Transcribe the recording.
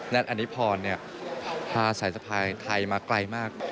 ตอนนิพรพาสายสะพายไทยมาไกลมาก